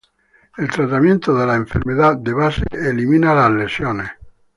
El tratamiento de la enfermedad de base elimina las lesiones.